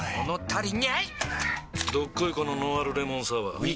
どっこいこのノンアルレモンサワーうぃ